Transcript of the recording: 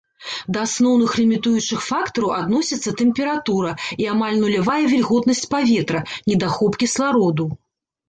Да асноўных лімітуючых фактараў адносяцца тэмпература і амаль нулявая вільготнасць паветра, недахоп кіслароду.